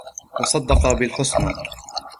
وصدق بالحسنى